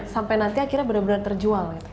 sampai nanti akhirnya benar benar terjual gitu